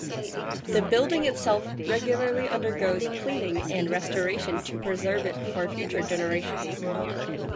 The building itself regularly undergoes cleaning and restoration to preserve it for future generations.